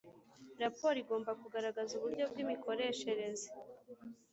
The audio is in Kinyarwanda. raporo igomba kugaragaza uburyo bw’imikoreshereze